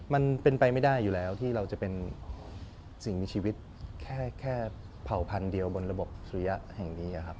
มันเป็นไปไม่ได้อยู่แล้วที่เราจะเป็นสิ่งมีชีวิตแค่เผ่าพันธุ์เดียวบนระบบสุริยะแห่งนี้ครับ